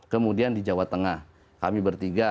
kemudian di jawa tengah kami bertiga